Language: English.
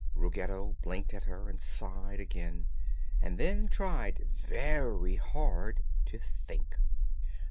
Ruggedo blinked at her, and sighed again, and then tried very hard to think.